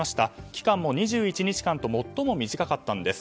期間も２１日間と最も短かったんです。